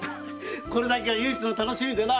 これだけが唯一の楽しみでな。